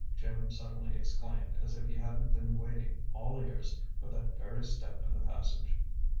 Jim suddenly exclaimed, as if he hadn't been waiting, all ears, for that very step in the passage.